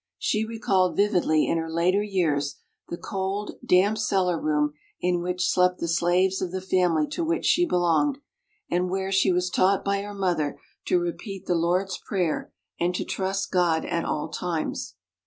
She recalled vividly in her later years the cold, damp cellar room in which slept the slaves of the family to which she belonged, and where she was taught by her mother to repeat the Lord's Prayer and to trust God at all times.